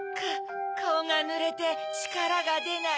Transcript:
カオがぬれてちからがでない。